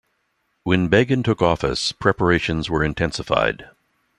When Begin took office, preparations were intensified.